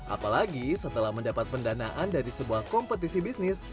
apalagi setelah mendapat pendanaan dari sebuah kompetisi bisnis